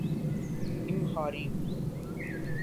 امہاری